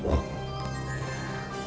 tentu aku sangat menyukai farida